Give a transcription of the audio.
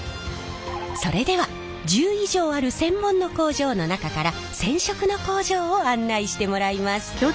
それでは１０以上ある専門の工場の中から染色の工場を案内してもらいます。